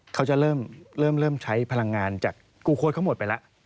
เขาจะเริ่มใช้พลังงานจากกูโค้ดเขาหมดไปแล้ว